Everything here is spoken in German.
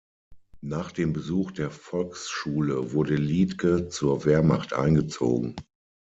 Nach dem Besuch der Volksschule wurde Liedtke zur Wehrmacht eingezogen.